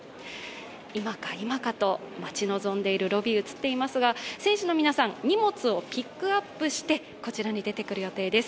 今か今かと待ち望んでいるロビーが映っていますが、選手の皆さん、荷物をピックアップしてこちらに出てくる予定です。